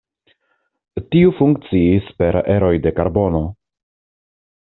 Tiu funkciis per eroj de karbono.